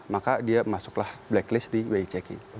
maka dia masuklah blacklist di way checking